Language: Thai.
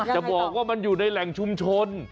จะบอกว่ามันอยู่ในแหล่งชุมชน